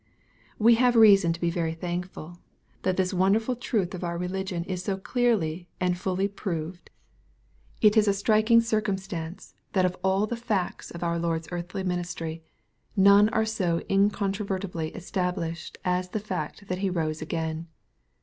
We have reason to be very thankful, that this wonder 404 SXPOSITOBT THOUQHTa All truth of our religion is so clearly and fully proved It is a striking circumstance, that of all the facts of oui Lord's earthly ministry, none are so incontrovertibly established as the fact that He rose again.